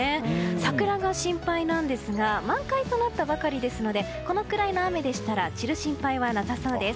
桜が心配なんですが満開となったばかりですのでこのくらいの雨なら散る心配はなさそうです。